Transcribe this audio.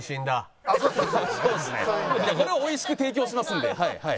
これをおいしく提供しますんで。